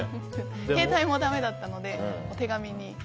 携帯もだめだったので手紙に。